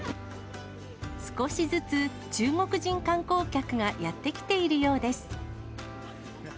少しずつ、中国人観光客がやって来ているようです。